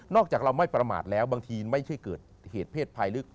จากเราไม่ประมาทแล้วบางทีไม่ใช่เกิดเหตุเพศภัยหรือ